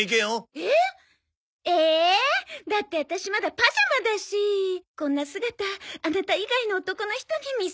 えーっだってワタシまだパジャマだしこんな姿アナタ以外の男の人に見せられない。